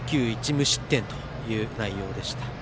無失点という内容でした。